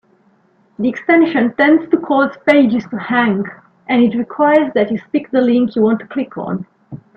The extension tends to cause pages to hang, and it requires that you speak the link you want to click on.